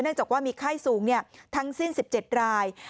จากว่ามีไข้สูงทั้งสิ้น๑๗ราย